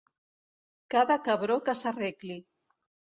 Cada cabró que s'arregli.